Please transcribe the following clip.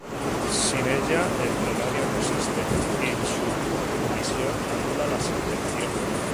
Sin ella el plenario no existe, y su omisión anula la sentencia.